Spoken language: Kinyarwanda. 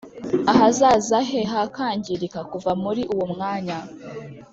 ahazaza he hakangirika kuva muri uwo mwanya